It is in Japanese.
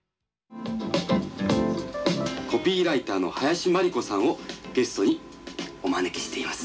「コピーライターの林真理子さんをゲストにお招きしています」。